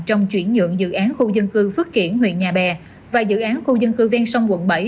trong chuyển nhượng dự án khu dân cư phước kiển huyện nhà bè và dự án khu dân cư ven sông quận bảy